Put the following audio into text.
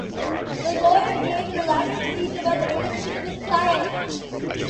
The lawyer gave an elaborate speech about the innocence of his client